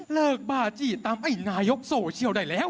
บาจี้ตามไอ้นายกโซเชียลได้แล้ว